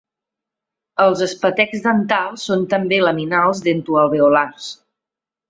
Els espetecs dentals són també laminals dento-alveolars.